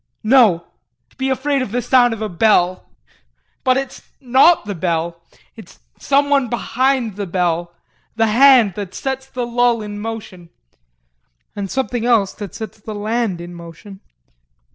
No! To be afraid of the sound of a bell! But it's not the bell it's someone behind the bell, the hand that sets the bell in motion and something else that sets the hand in motion.